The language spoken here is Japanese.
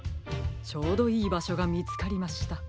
ちょうどいいばしょがみつかりました。